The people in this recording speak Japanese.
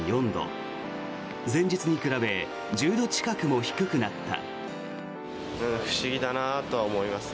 前日に比べ１０度近くも低くなった。